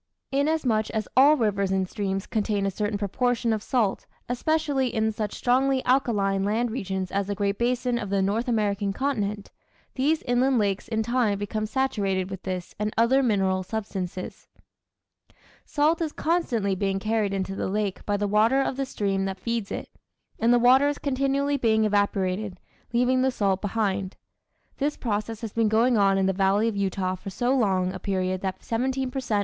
Inasmuch as all rivers and streams contain a certain proportion of salt, especially in such strongly alkaline land regions as the Great Basin of the North American continent, these inland lakes in time become saturated with this and other mineral substances. Salt is constantly being carried into the lake by the water of the stream that feeds it, and the water is continually being evaporated, leaving the salt behind. This process has been going on in the valley of Utah for so long a period that 17 per cent.